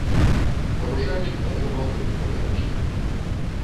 Парушальнік атрымаў толькі папярэджанне.